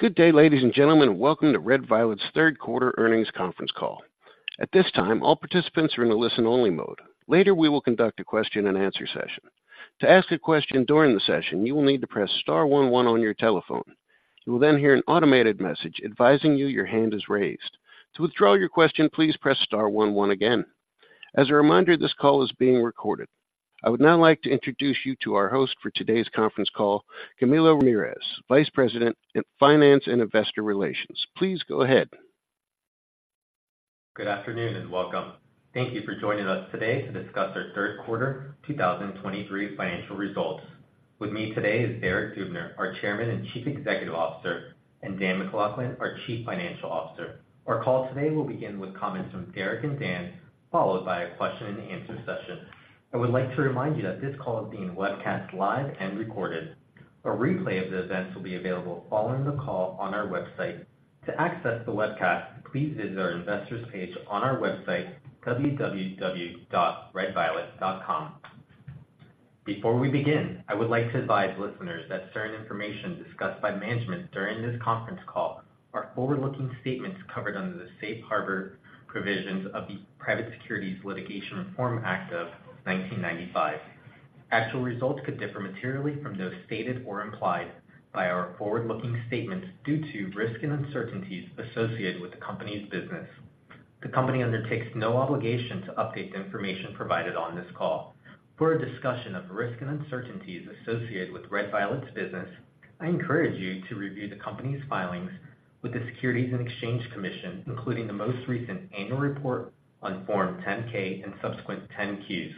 Good day, ladies and gentlemen, and welcome to red violet's third quarter earnings conference call. At this time, all participants are in a listen-only mode. Later, we will conduct a question-and-answer session. To ask a question during the session, you will need to press star one one on your telephone. You will then hear an automated message advising you your hand is raised. To withdraw your question, please press star one one again. As a reminder, this call is being recorded. I would now like to introduce you to our host for today's conference call, Camilo Ramirez, Vice President of Finance and Investor Relations. Please go ahead. Good afternoon, and welcome. Thank you for joining us today to discuss our third quarter 2023 financial results. With me today is Derek Dubner, our Chairman and Chief Executive Officer, and Dan MacLachlan, our Chief Financial Officer. Our call today will begin with comments from Derek and Dan, followed by a question-and-answer session. I would like to remind you that this call is being webcast live and recorded. A replay of the events will be available following the call on our website. To access the webcast, please visit our Investors page on our website, www.redviolet.com. Before we begin, I would like to advise listeners that certain information discussed by management during this conference call are forward-looking statements covered under the safe harbor provisions of the Private Securities Litigation Reform Act of 1995. Actual results could differ materially from those stated or implied by our forward-looking statements due to risks and uncertainties associated with the company's business. The company undertakes no obligation to update the information provided on this call. For a discussion of risks and uncertainties associated with red violet's business, I encourage you to review the company's filings with the Securities and Exchange Commission, including the most recent annual report on Form 10-K and subsequent 10-Qs.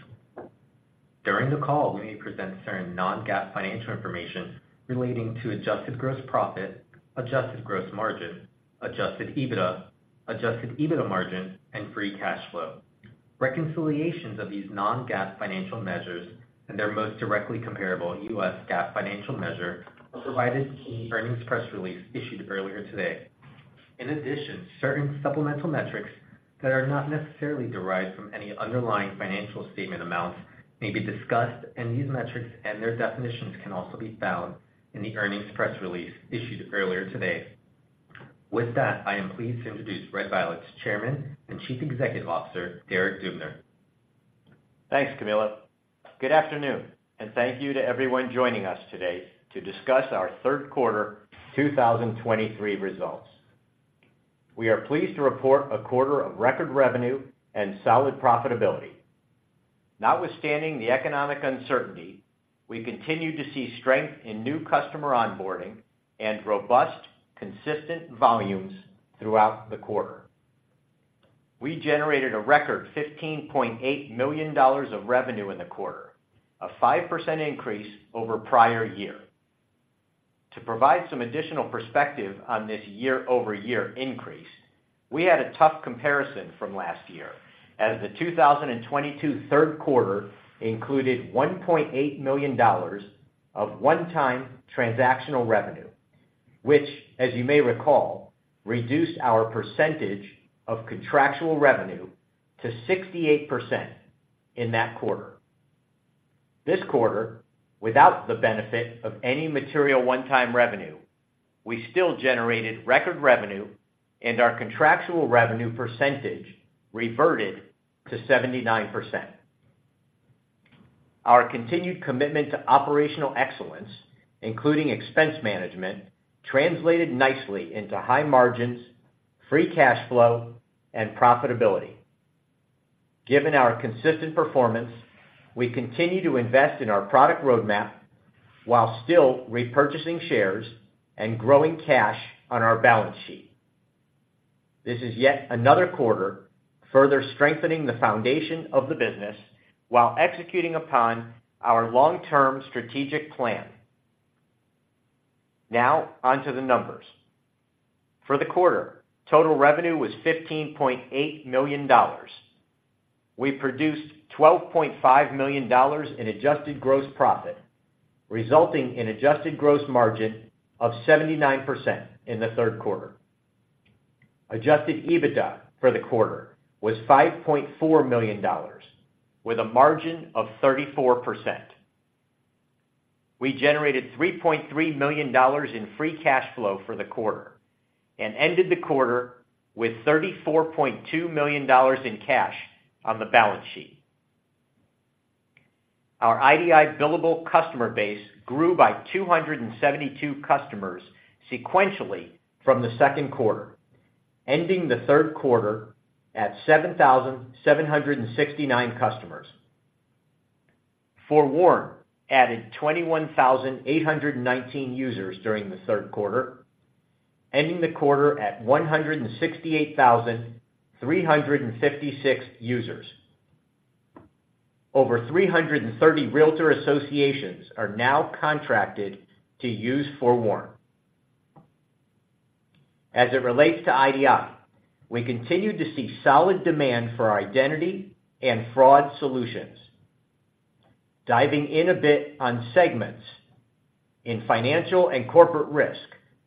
During the call, we may present certain non-GAAP financial information relating to adjusted gross profit, adjusted gross margin, adjusted EBITDA, adjusted EBITDA margin, and free cash flow. Reconciliations of these non-GAAP financial measures and their most directly comparable U.S. GAAP financial measure are provided in the earnings press release issued earlier today. In addition, certain supplemental metrics that are not necessarily derived from any underlying financial statement amounts may be discussed, and these metrics and their definitions can also be found in the earnings press release issued earlier today. With that, I am pleased to introduce red violet's Chairman and Chief Executive Officer, Derek Dubner. Thanks, Camilo. Good afternoon, and thank you to everyone joining us today to discuss our third quarter 2023 results. We are pleased to report a quarter of record revenue and solid profitability. Notwithstanding the economic uncertainty, we continue to see strength in new customer onboarding and robust, consistent volumes throughout the quarter. We generated a record $15.8 million of revenue in the quarter, a 5% increase over prior year. To provide some additional perspective on this year-over-year increase, we had a tough comparison from last year, as the 2022 third quarter included $1.8 million of one-time transactional revenue, which, as you may recall, reduced our percentage of contractual revenue to 68% in that quarter. This quarter, without the benefit of any material one-time revenue, we still generated record revenue, and our contractual revenue percentage reverted to 79%. Our continued commitment to operational excellence, including expense management, translated nicely into high margins, Free Cash Flow, and profitability. Given our consistent performance, we continue to invest in our product roadmap while still repurchasing shares and growing cash on our balance sheet. This is yet another quarter further strengthening the foundation of the business while executing upon our long-term strategic plan. Now, on to the numbers. For the quarter, total revenue was $15.8 million. We produced $12.5 million in Adjusted Gross Profit, resulting in Adjusted Gross Margin of 79% in the third quarter. Adjusted EBITDA for the quarter was $5.4 million, with a margin of 34%. We generated $3.3 million in free cash flow for the quarter and ended the quarter with $34.2 million in cash on the balance sheet. Our IDI billable customer base grew by 272 customers sequentially from the second quarter, ending the third quarter at 7,769 customers. FOREWARN added 21,819 users during the third quarter, ending the quarter at 168,356 users. Over 330 Realtor associations are now contracted to use FOREWARN. As it relates to IDI, we continue to see solid demand for our identity and fraud solutions. Diving in a bit on segments. In financial and corporate risk,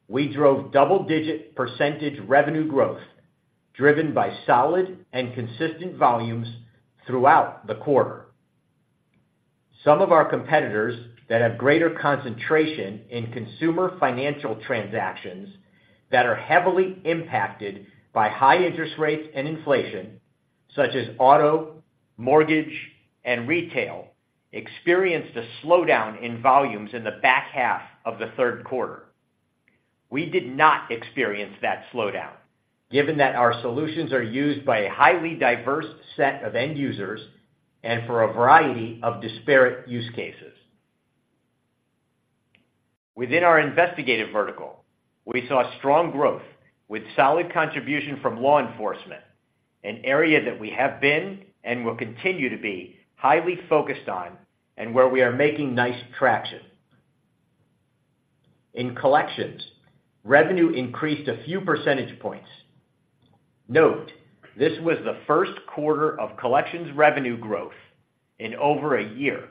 we drove double-digit % revenue growth, driven by solid and consistent volumes throughout the quarter.... Some of our competitors that have greater concentration in consumer financial transactions that are heavily impacted by high interest rates and inflation, such as auto, mortgage, and retail, experienced a slowdown in volumes in the back half of the third quarter. We did not experience that slowdown, given that our solutions are used by a highly diverse set of end users and for a variety of disparate use cases. Within our investigative vertical, we saw strong growth with solid contribution from law enforcement, an area that we have been and will continue to be highly focused on and where we are making nice traction. In collections, revenue increased a few percentage points. Note, this was the first quarter of collections revenue growth in over a year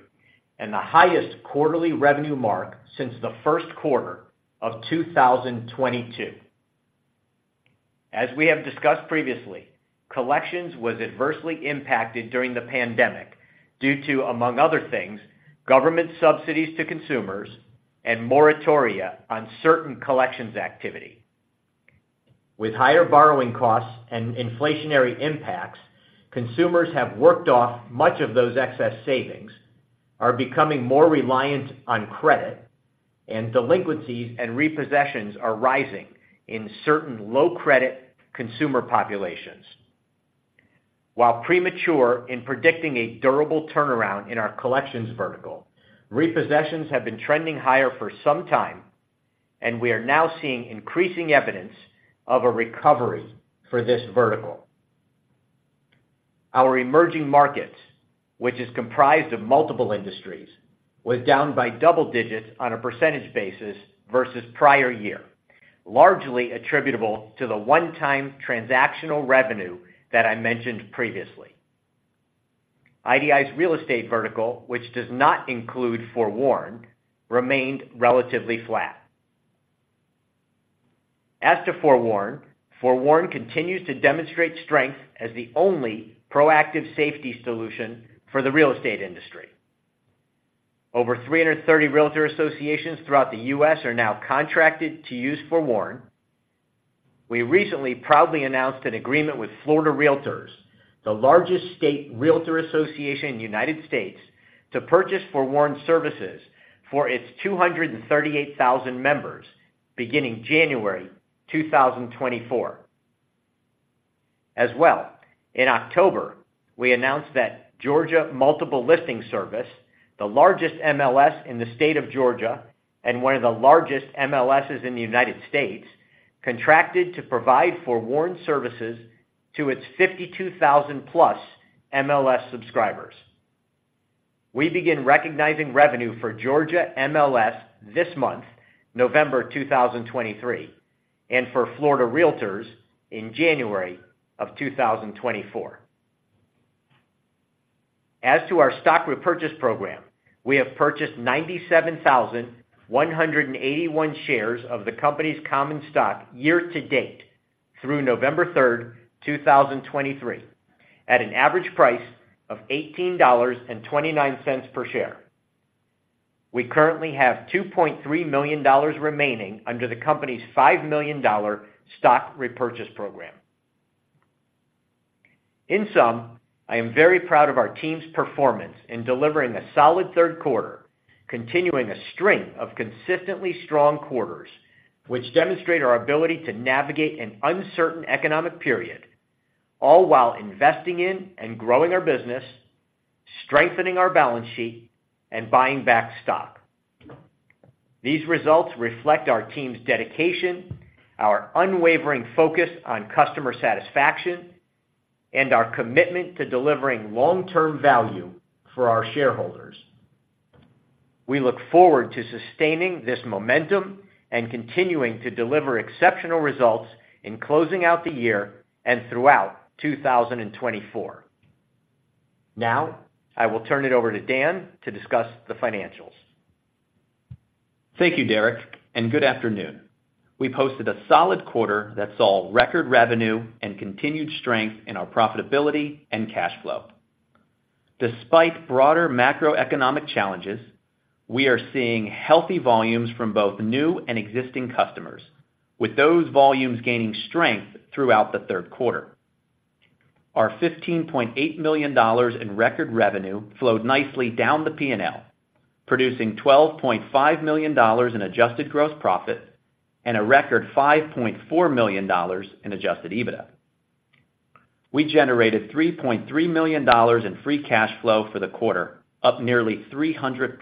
and the highest quarterly revenue mark since the first quarter of 2022. As we have discussed previously, collections was adversely impacted during the pandemic due to, among other things, government subsidies to consumers and moratoria on certain collections activity. With higher borrowing costs and inflationary impacts, consumers have worked off much of those excess savings, are becoming more reliant on credit, and delinquencies and repossessions are rising in certain low-credit consumer populations. While premature in predicting a durable turnaround in our collections vertical, repossessions have been trending higher for some time, and we are now seeing increasing evidence of a recovery for this vertical. Our emerging markets, which is comprised of multiple industries, was down by double digits on a percentage basis versus prior year, largely attributable to the one-time transactional revenue that I mentioned previously. IDI's real estate vertical, which does not include FOREWARN, remained relatively flat. As to FOREWARN, FOREWARN continues to demonstrate strength as the only proactive safety solution for the real estate industry. Over 330 Realtor associations throughout the U.S. are now contracted to use FOREWARN. We recently proudly announced an agreement with Florida Realtors, the largest state Realtor association in the United States, to purchase FOREWARN services for its 238,000 members beginning January 2024. As well, in October, we announced that Georgia Multiple Listing Service, the largest MLS in the state of Georgia and one of the largest MLSs in the United States, contracted to provide FOREWARN services to its 52,000-plus MLS subscribers. We begin recognizing revenue for Georgia MLS this month, November 2023, and for Florida Realtors in January 2024. As to our stock repurchase program, we have purchased 97,081 shares of the company's common stock year-to-date through November 3, 2023, at an average price of $18.29 per share. We currently have $2.3 million remaining under the company's $5 million stock repurchase program. In sum, I am very proud of our team's performance in delivering a solid third quarter, continuing a string of consistently strong quarters, which demonstrate our ability to navigate an uncertain economic period, all while investing in and growing our business, strengthening our balance sheet, and buying back stock. These results reflect our team's dedication, our unwavering focus on customer satisfaction, and our commitment to delivering long-term value for our shareholders. We look forward to sustaining this momentum and continuing to deliver exceptional results in closing out the year and throughout 2024. Now, I will turn it over to Dan to discuss the financials. Thank you, Derek, and good afternoon. We posted a solid quarter that saw record revenue and continued strength in our profitability and cash flow. Despite broader macroeconomic challenges, we are seeing healthy volumes from both new and existing customers, with those volumes gaining strength throughout the third quarter. Our $15.8 million in record revenue flowed nicely down the P&L, producing $12.5 million in adjusted gross profit and a record $5.4 million in Adjusted EBITDA. We generated $3.3 million in free cash flow for the quarter, up nearly 300%.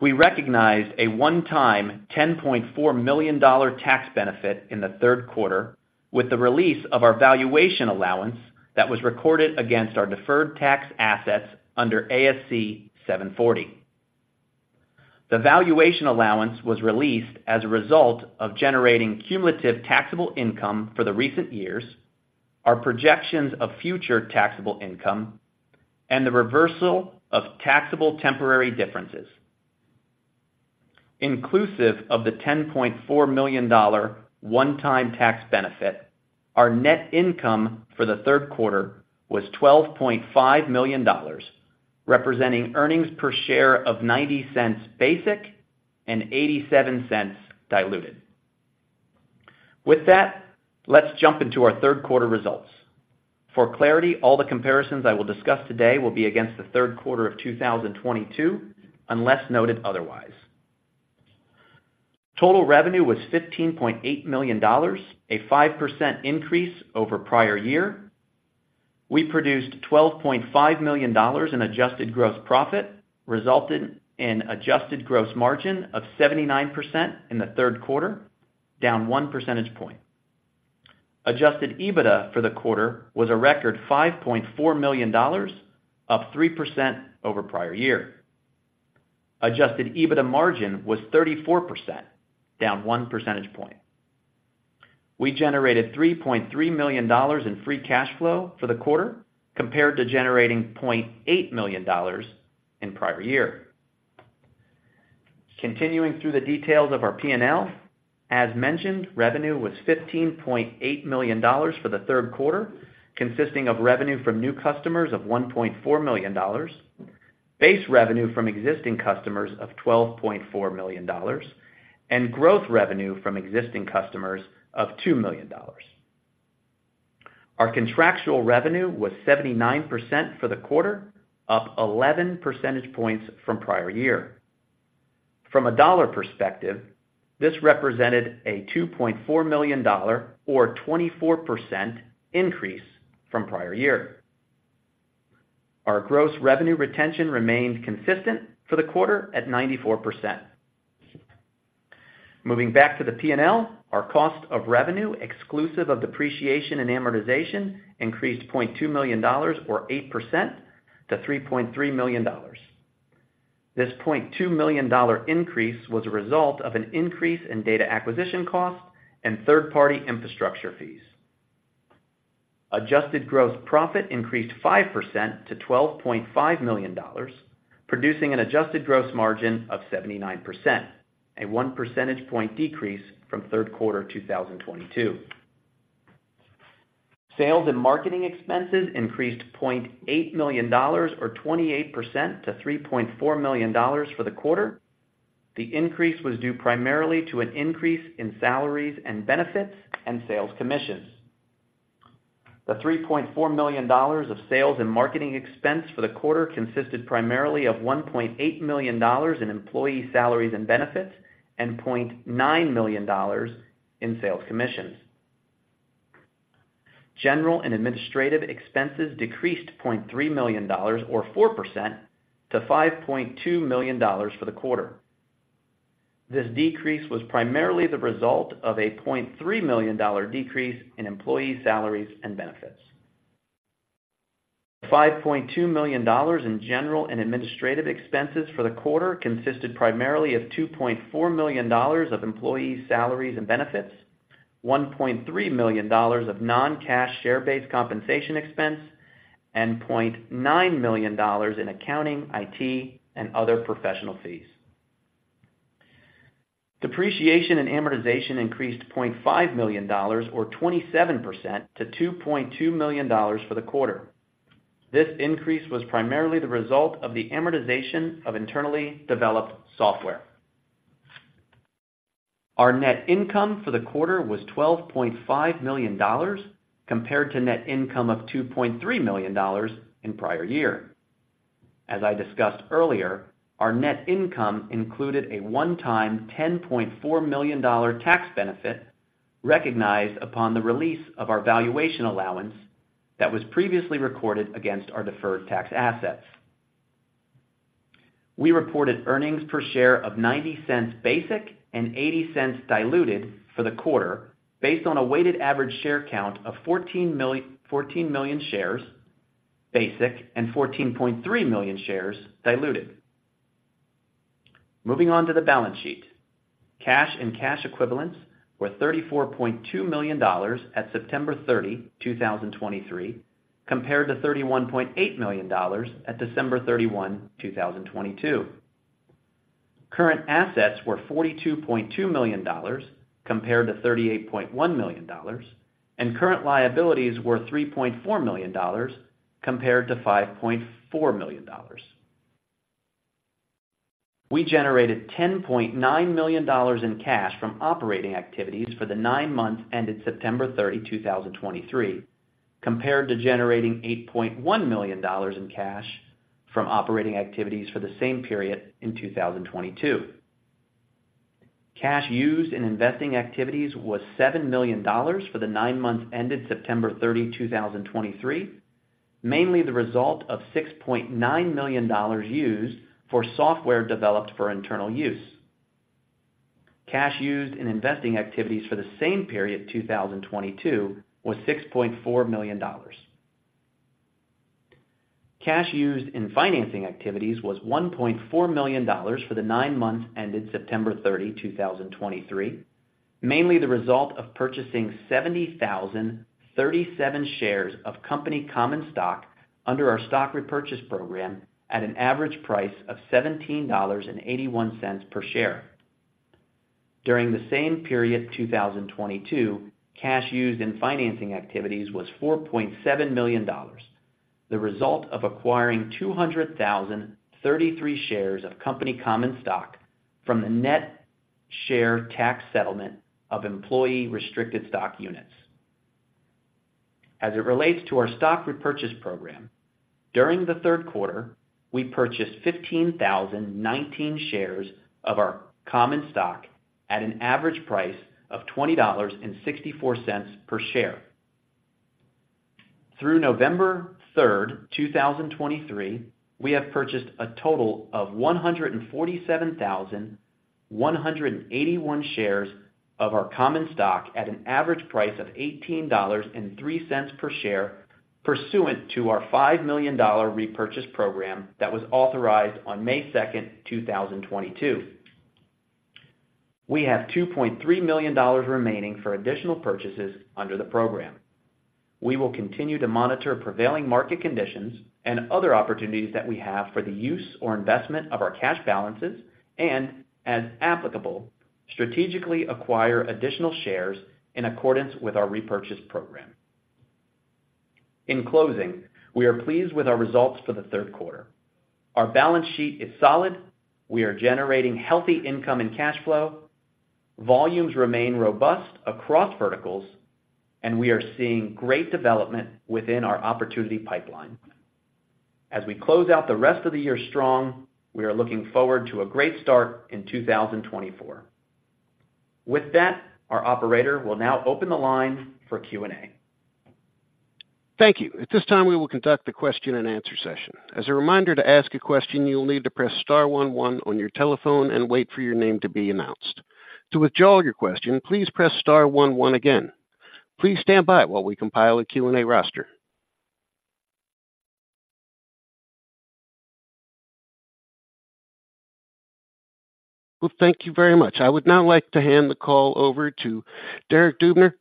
We recognized a one-time $10.4 million tax benefit in the third quarter with the release of our valuation allowance that was recorded against our deferred tax assets under ASC 740. The valuation allowance was released as a result of generating cumulative taxable income for the recent years, our projections of future taxable income, and the reversal of taxable temporary differences. Inclusive of the $10.4 million one-time tax benefit, our net income for the third quarter was $12.5 million, representing earnings per share of $0.90 basic and $0.87 diluted. With that, let's jump into our third quarter results. For clarity, all the comparisons I will discuss today will be against the third quarter of 2022, unless noted otherwise. Total revenue was $15.8 million, a 5% increase over prior year. We produced $12.5 million in adjusted gross profit, resulted in adjusted gross margin of 79% in the third quarter, down one percentage point. Adjusted EBITDA for the quarter was a record $5.4 million, up 3% over prior year. Adjusted EBITDA margin was 34%, down 1 percentage point. We generated $3.3 million in free cash flow for the quarter, compared to generating $0.8 million in prior year. Continuing through the details of our P&L, as mentioned, revenue was $15.8 million for the third quarter, consisting of revenue from new customers of $1.4 million, base revenue from existing customers of $12.4 million, and growth revenue from existing customers of $2 million. Our contractual revenue was 79% for the quarter, up 11 percentage points from prior year. From a dollar perspective, this represented a $2.4 million or 24% increase from prior year. Our gross revenue retention remained consistent for the quarter at 94%. Moving back to the P&L, our cost of revenue, exclusive of depreciation and amortization, increased $0.2 million or 8% to $3.3 million. This $0.2 million increase was a result of an increase in data acquisition costs and third-party infrastructure fees. Adjusted gross profit increased 5% to $12.5 million, producing an adjusted gross margin of 79%, a 1 percentage point decrease from third quarter 2022. Sales and marketing expenses increased $0.8 million or 28% to $3.4 million for the quarter. The increase was due primarily to an increase in salaries and benefits and sales commissions. The $3.4 million of sales and marketing expense for the quarter consisted primarily of $1.8 million in employee salaries and benefits and $0.9 million in sales commissions. General and administrative expenses decreased $0.3 million or 4% to $5.2 million for the quarter. This decrease was primarily the result of a $0.3 million decrease in employee salaries and benefits. $5.2 million in general and administrative expenses for the quarter consisted primarily of $2.4 million of employee salaries and benefits, $1.3 million of non-cash share-based compensation expense, and $0.9 million in accounting, IT, and other professional fees. Depreciation and amortization increased $0.5 million or 27% to $2.2 million for the quarter. This increase was primarily the result of the amortization of internally developed software. Our net income for the quarter was $12.5 million, compared to net income of $2.3 million in prior year. As I discussed earlier, our net income included a one-time $10.4 million tax benefit recognized upon the release of our valuation allowance that was previously recorded against our deferred tax assets. We reported earnings per share of $0.90 basic and $0.80 diluted for the quarter, based on a weighted average share count of 14 million shares basic and 14.3 million shares diluted. Moving on to the balance sheet. Cash and cash equivalents were $34.2 million at September 30, 2023, compared to $31.8 million at December 31, 2022. Current assets were $42.2 million compared to $38.1 million, and current liabilities were $3.4 million compared to $5.4 million. We generated $10.9 million in cash from operating activities for the nine months ended September 30, 2023, compared to generating $8.1 million in cash from operating activities for the same period in 2022. Cash used in investing activities was $7 million for the nine months ended September 30, 2023, mainly the result of $6.9 million used for software developed for internal use. Cash used in investing activities for the same period, 2022, was $6.4 million. Cash used in financing activities was $1.4 million for the nine months ended September 30, 2023... mainly the result of purchasing 70,037 shares of company common stock under our stock repurchase program at an average price of $17.81 per share. During the same period, 2022, cash used in financing activities was $4.7 million, the result of acquiring 200,033 shares of company common stock from the net share tax settlement of employee restricted stock units. As it relates to our stock repurchase program, during the third quarter, we purchased 15,019 shares of our common stock at an average price of $20.64 per share. Through November 3rd, 2023, we have purchased a total of 147,181 shares of our common stock at an average price of $18.03 per share, pursuant to our $5 million repurchase program that was authorized on May 2nd, 2022. We have $2.3 million remaining for additional purchases under the program. We will continue to monitor prevailing market conditions and other opportunities that we have for the use or investment of our cash balances, and, as applicable, strategically acquire additional shares in accordance with our repurchase program. In closing, we are pleased with our results for the third quarter. Our balance sheet is solid. We are generating healthy income and cash flow. Volumes remain robust across verticals, and we are seeing great development within our opportunity pipeline. As we close out the rest of the year strong, we are looking forward to a great start in 2024. With that, our operator will now open the line for Q&A. Thank you. At this time, we will conduct a question-and-answer session. As a reminder, to ask a question, you will need to press star one one on your telephone and wait for your name to be announced. To withdraw your question, please press star one one again. Please stand by while we compile a Q&A roster. Well, thank you very much. I would now like to hand the call over to Derek Dubner.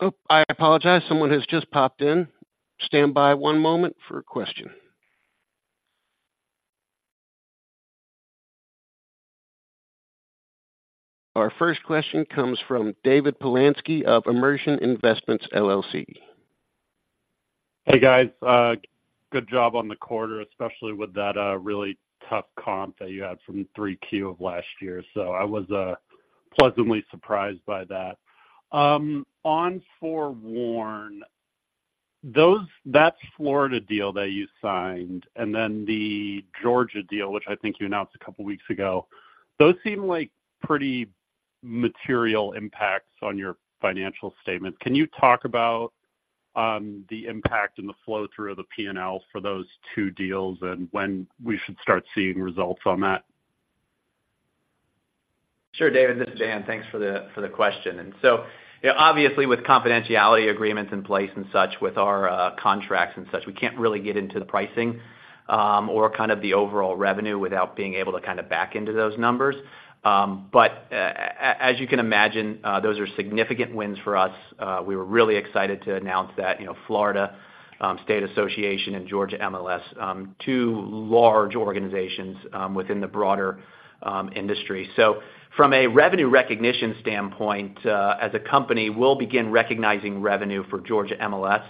Oh, I apologize, someone has just popped in. Stand by one moment for a question. Our first question comes from David Polansky of Immersion Investments LLC. Hey, guys, good job on the quarter, especially with that really tough comp that you had from 3Q of last year. So I was pleasantly surprised by that. On Forewarn, that Florida deal that you signed, and then the Georgia deal, which I think you announced a couple weeks ago, those seem like pretty material impacts on your financial statement. Can you talk about the impact and the flow through of the P&L for those two deals and when we should start seeing results on that? Sure, David, this is Dan. Thanks for the question. So, you know, obviously, with confidentiality agreements in place and such, with our contracts and such, we can't really get into the pricing, or kind of the overall revenue without being able to kind of back into those numbers. But as you can imagine, those are significant wins for us. We were really excited to announce that, you know, Florida State Association and Georgia MLS, two large organizations, within the broader industry. So from a revenue recognition standpoint, as a company, we'll begin recognizing revenue for Georgia MLS,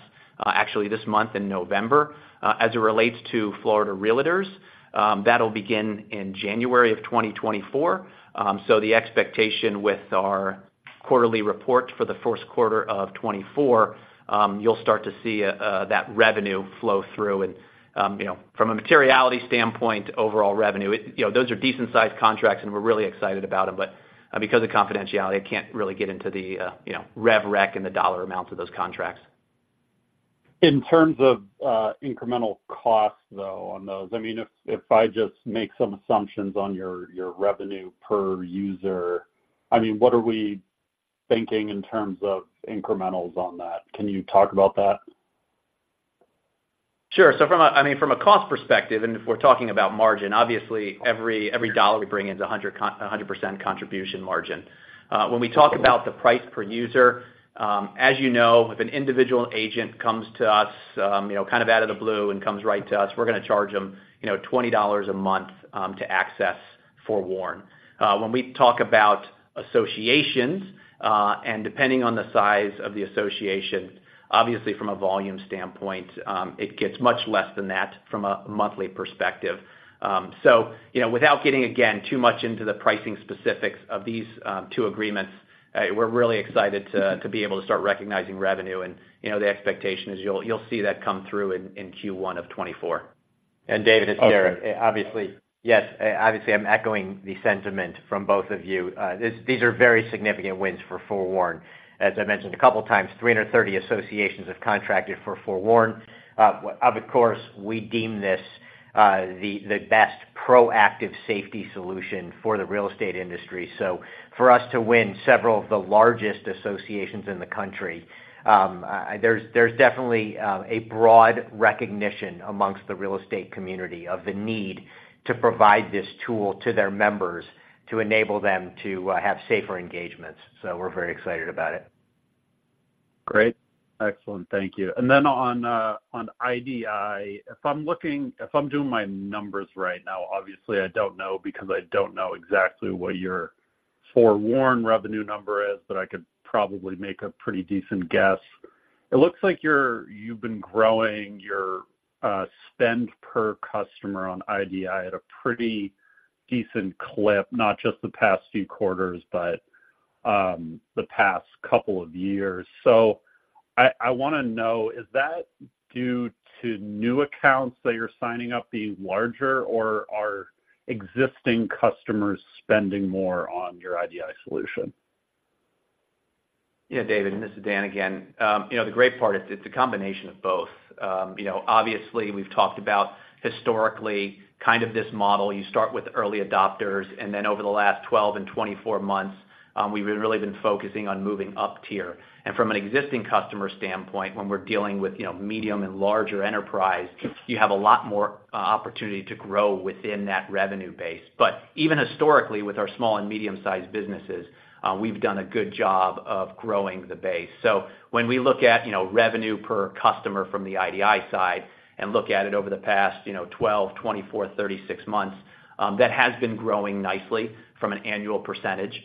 actually this month in November. As it relates to Florida Realtors, that'll begin in January of 2024. So the expectation with our quarterly report for the first quarter of 2024, you'll start to see that revenue flow through. And, you know, from a materiality standpoint, overall revenue, you know, those are decent-sized contracts, and we're really excited about them. But because of confidentiality, I can't really get into the, you know, rev rec and the dollar amounts of those contracts. In terms of incremental costs, though, on those, I mean, if I just make some assumptions on your revenue per user, I mean, what are we thinking in terms of incrementals on that? Can you talk about that? Sure. So, I mean, from a cost perspective, and if we're talking about margin, obviously every dollar we bring in is 100% contribution margin. When we talk about the price per user, as you know, if an individual agent comes to us, you know, kind of out of the blue and comes right to us, we're gonna charge them, you know, $20 a month to access Forewarn. When we talk about associations, and depending on the size of the association, obviously from a volume standpoint, it gets much less than that from a monthly perspective. So, you know, without getting, again, too much into the pricing specifics of these two agreements, we're really excited to be able to start recognizing revenue. You know, the expectation is you'll see that come through in Q1 of 2024. David, it's Derek. Obviously, yes, obviously, I'm echoing the sentiment from both of you. These are very significant wins for FOREWARN. As I mentioned a couple of times, 330 associations have contracted for FOREWARN. Of course, we deem this the best proactive safety solution for the real estate industry. So for us to win several of the largest associations in the country, there's definitely a broad recognition amongst the real estate community of the need to provide this tool to their members to enable them to have safer engagements. So we're very excited about it.... Great. Excellent, thank you. And then on, on IDI, if I'm doing my numbers right now, obviously, I don't know, because I don't know exactly what your forward revenue number is, but I could probably make a pretty decent guess. It looks like you've been growing your, spend per customer on IDI at a pretty decent clip, not just the past few quarters, but, the past couple of years. So I, I wanna know, is that due to new accounts that you're signing up being larger, or are existing customers spending more on your IDI solution? Yeah, David, and this is Dan again. You know, the great part is, it's a combination of both. You know, obviously, we've talked about historically, kind of this model. You start with early adopters, and then over the last 12 and 24 months, we've been really focusing on moving up tier. And from an existing customer standpoint, when we're dealing with, you know, medium and larger enterprise, you have a lot more opportunity to grow within that revenue base. But even historically, with our small and medium-sized businesses, we've done a good job of growing the base. So when we look at, you know, revenue per customer from the IDI side and look at it over the past 12, 24, 36 months, that has been growing nicely from an annual percentage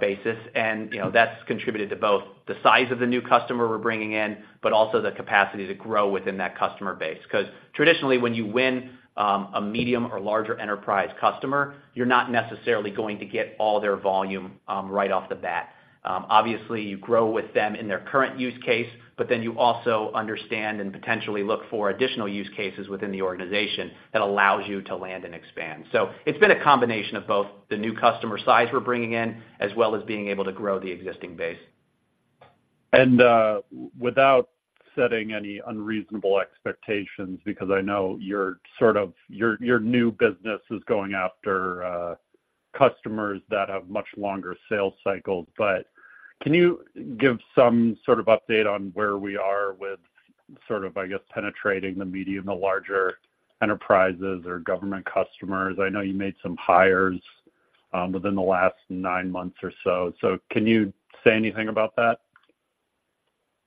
basis. You know, that's contributed to both the size of the new customer we're bringing in, but also the capacity to grow within that customer base. 'Cause traditionally, when you win, a medium or larger enterprise customer, you're not necessarily going to get all their volume, right off the bat. Obviously, you grow with them in their current use case, but then you also understand and potentially look for additional use cases within the organization that allows you to land and expand. So it's been a combination of both the new customer size we're bringing in, as well as being able to grow the existing base. Without setting any unreasonable expectations, because I know you're sort of your new business is going after customers that have much longer sales cycles. But can you give some sort of update on where we are with, sort of, I guess, penetrating the medium, the larger enterprises or government customers? I know you made some hires within the last nine months or so. Can you say anything about that?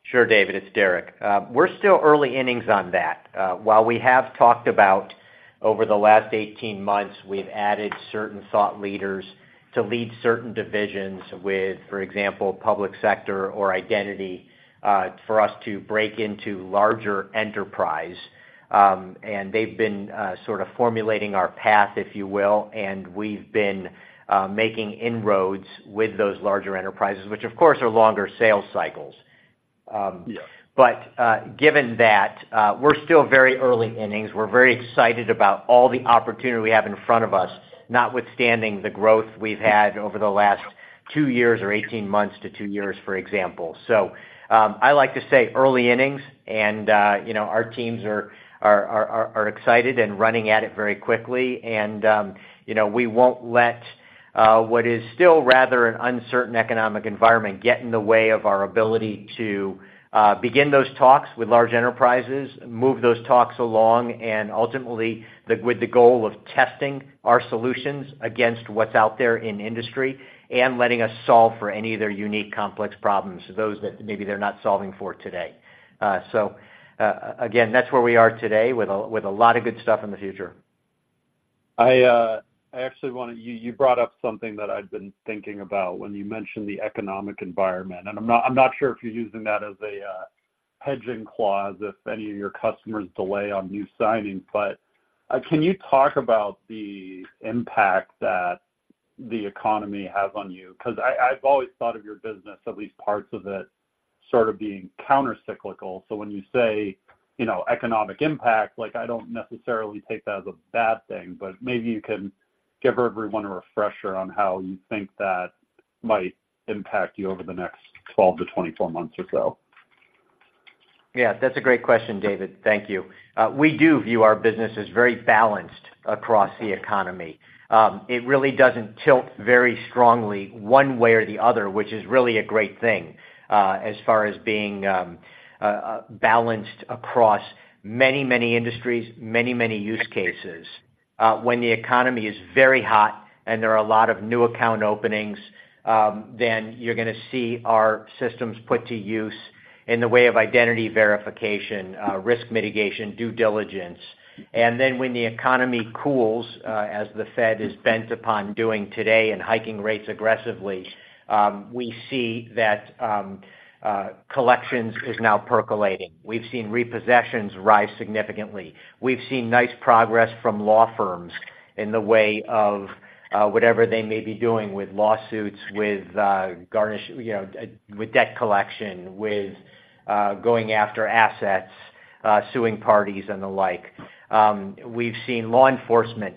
Sure, David, it's Derek. We're still early innings on that. While we have talked about over the last 18 months, we've added certain thought leaders to lead certain divisions with, for example, public sector or identity, for us to break into larger enterprise. And they've been sort of formulating our path, if you will, and we've been making inroads with those larger enterprises, which, of course, are longer sales cycles. Yeah. But, given that, we're still very early innings, we're very excited about all the opportunity we have in front of us, notwithstanding the growth we've had over the last 2 years or 18 months to 2 years, for example. So, I like to say early innings, and, you know, our teams are excited and running at it very quickly. And, you know, we won't let what is still rather an uncertain economic environment get in the way of our ability to begin those talks with large enterprises, move those talks along, and ultimately with the goal of testing our solutions against what's out there in industry and letting us solve for any of their unique, complex problems, those that maybe they're not solving for today. So, again, that's where we are today, with a lot of good stuff in the future. I actually wanna... You brought up something that I'd been thinking about when you mentioned the economic environment, and I'm not, I'm not sure if you're using that as a hedging clause, if any of your customers delay on new signings. But can you talk about the impact that the economy has on you? 'Cause I've always thought of your business, at least parts of it, sort of being countercyclical. So when you say, you know, economic impact, like, I don't necessarily take that as a bad thing, but maybe you can give everyone a refresher on how you think that might impact you over the next 12-24 months or so. Yeah. That's a great question, David. Thank you. We do view our business as very balanced across the economy. It really doesn't tilt very strongly one way or the other, which is really a great thing, as far as being balanced across many, many industries, many, many use cases. When the economy is very hot and there are a lot of new account openings, then you're gonna see our systems put to use in the way of identity verification, risk mitigation, due diligence. And then when the economy cools, as the Fed is bent upon doing today and hiking rates aggressively, we see that collections is now percolating. We've seen repossessions rise significantly. We've seen nice progress from law firms in the way of, whatever they may be doing with lawsuits, with, garnishment, you know, with debt collection, with, going after assets, suing parties and the like. We've seen law enforcement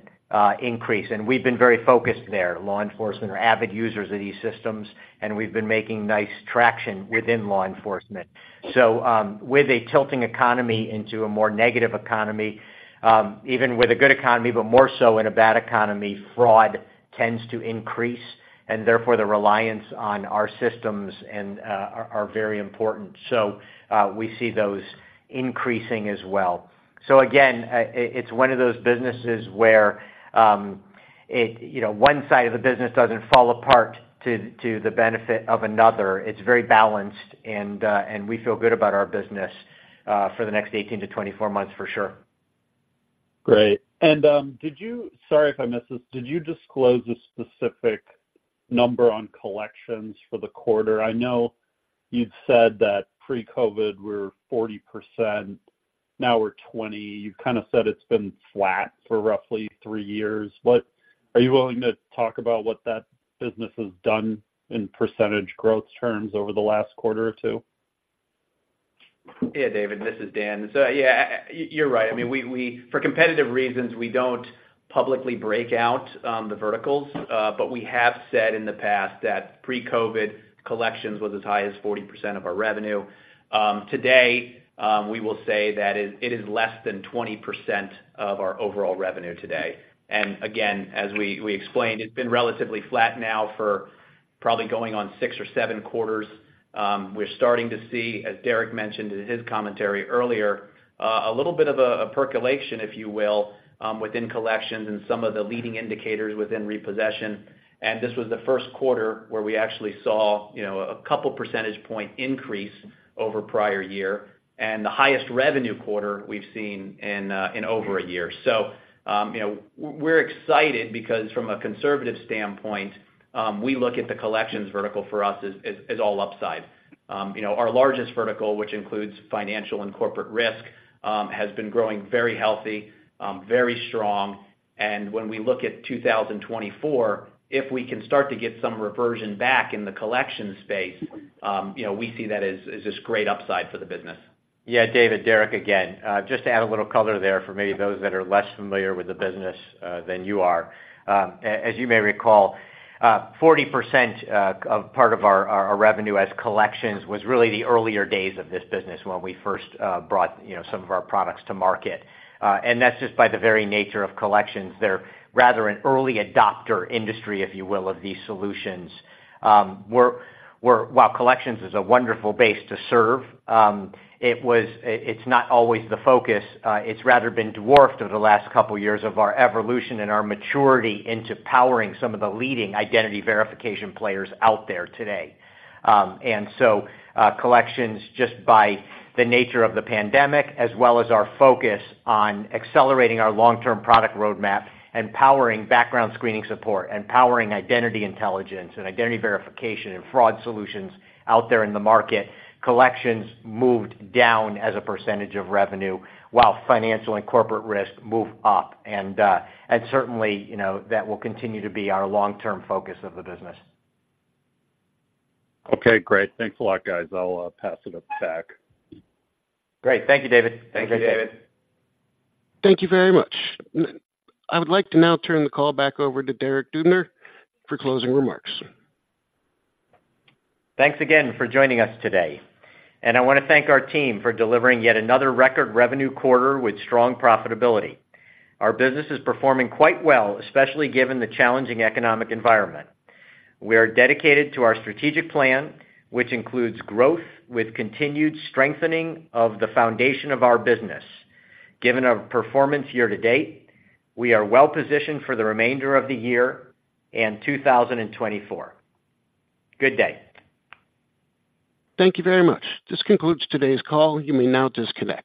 increase, and we've been very focused there. Law enforcement are avid users of these systems, and we've been making nice traction within law enforcement. So, with a tilting economy into a more negative economy, even with a good economy, but more so in a bad economy, fraud tends to increase, and therefore, the reliance on our systems and are very important. So, we see those increasing as well. So again, it's one of those businesses where, it, you know, one side of the business doesn't fall apart to the benefit of another. It's very balanced, and we feel good about our business for the next 18-24 months, for sure. Great. And, sorry, if I missed this, did you disclose a specific number on collections for the quarter? I know you've said that pre-COVID were 40%, now we're 20%. You've kind of said it's been flat for roughly 3 years. Are you willing to talk about what that business has done in percentage growth terms over the last quarter or two? Yeah, David, this is Dan. So, yeah, you're right. I mean, we- for competitive reasons, we don't publicly break out the verticals. But we have said in the past that pre-COVID collections was as high as 40% of our revenue. Today, we will say that it is less than 20% of our overall revenue today. And again, as we explained, it's been relatively flat now for probably going on six or seven quarters. We're starting to see, as Derek mentioned in his commentary earlier, a little bit of a percolation, if you will, within collections and some of the leading indicators within repossession. And this was the first quarter where we actually saw, you know, a couple percentage point increase over prior year, and the highest revenue quarter we've seen in over a year. So, you know, we're excited because from a conservative standpoint, we look at the collections vertical for us as, as all upside. You know, our largest vertical, which includes financial and corporate risk, has been growing very healthy, very strong. And when we look at 2024, if we can start to get some reversion back in the collection space, you know, we see that as, as this great upside for the business. Yeah, David, Derek again. Just to add a little color there for maybe those that are less familiar with the business than you are. As you may recall, 40% of part of our revenue as collections was really the earlier days of this business when we first brought, you know, some of our products to market. And that's just by the very nature of collections. They're rather an early adopter industry, if you will, of these solutions. While collections is a wonderful base to serve, it's not always the focus. It's rather been dwarfed over the last couple of years of our evolution and our maturity into powering some of the leading identity verification players out there today. Collections, just by the nature of the pandemic, as well as our focus on accelerating our long-term product roadmap and powering background screening support, and powering identity intelligence, and identity verification, and fraud solutions out there in the market, collections moved down as a percentage of revenue, while financial and corporate risk moved up. Certainly, you know, that will continue to be our long-term focus of the business. Okay, great. Thanks a lot, guys. I'll pass it back. Great. Thank you, David. Thanks, David. Thank you very much. I would like to now turn the call back over to Derek Dubner for closing remarks. Thanks again for joining us today, and I want to thank our team for delivering yet another record revenue quarter with strong profitability. Our business is performing quite well, especially given the challenging economic environment. We are dedicated to our strategic plan, which includes growth with continued strengthening of the foundation of our business. Given our performance year to date, we are well positioned for the remainder of the year in 2024. Good day. Thank you very much. This concludes today's call. You may now disconnect.